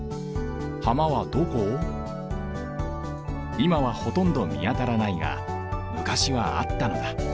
いまはほとんどみあたらないが昔はあったのだ